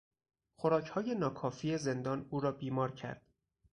خوراکهای ناکافی زندان او را بیمار کرد.